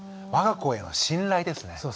我が子への信頼ですね。